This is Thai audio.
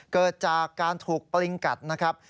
เกิดจากการถูกปลิงกัดนะครับ